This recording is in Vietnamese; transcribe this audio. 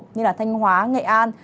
như thanh hóa nghệ an